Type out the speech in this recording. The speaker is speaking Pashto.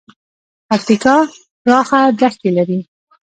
پکتیکا پراخه دښتې لري